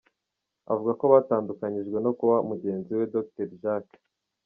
Avuga ko batandukanijwe no kuba mugenzi we Dr Jack.